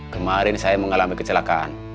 kemarin saya mengalami kecelakaan